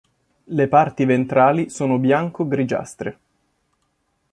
Le parti ventrali sono bianco-grigiastre.